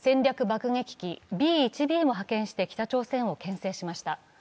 爆撃機Ｂ１Ｂを派遣して北朝鮮をけん制しました。